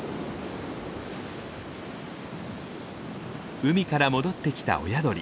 海から戻ってきた親鳥。